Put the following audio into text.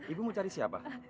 ibu mau cari siapa